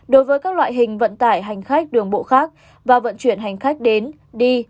đối với các loại hình vận tải hành khách đường bộ khác và vận chuyển hành khách đến đi